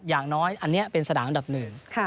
อย่างน้อยอันนี้เป็นสนามอันดับหนึ่ง